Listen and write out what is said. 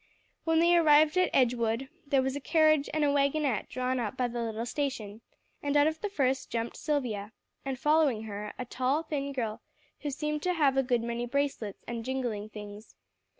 When they arrived at Edgewood, there was a carriage and a wagonette drawn up by the little station, and out of the first jumped Silvia, and following her, a tall, thin girl who seemed to have a good many bracelets and jingling things.